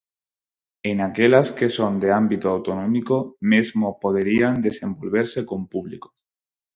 E naquelas que son de ámbito autonómico mesmo poderían desenvolverse con público.